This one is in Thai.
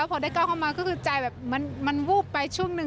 พอได้เก้าเข้ามาคือใจมันวูบไปชุดหนึ่ง